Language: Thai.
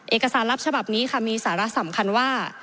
เอกสารลับฉบับนี้ค่ะมีสาระสำคัญว่า